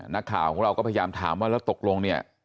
นักข่าวของเราก็พยายามถามว่าแล้วตกลงเนี่ย